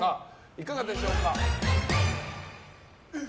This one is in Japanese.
いかがでしょうか。